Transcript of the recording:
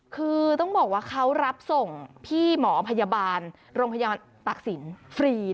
คือต้องบอกว่าเขารับส่งพี่หมอพยาบาลโรงพยาบาลตักศิลป์ฟรี